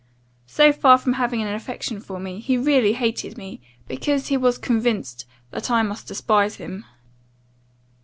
So far from having an affection for me, he really hated me, because he was convinced that I must despise him.